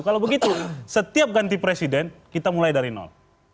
kalau begitu setiap ganti presiden kita mulai dari nol